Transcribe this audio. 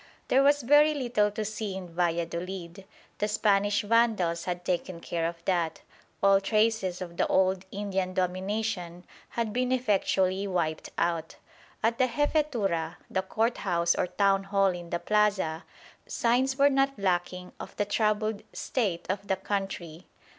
There was very little to see in Valladolid. The Spanish vandals had taken care of that. All traces of the old Indian domination had been effectually wiped out. At the Jefetura, the Court House or Town Hall in the plaza, signs were not lacking of the troubled state of the country.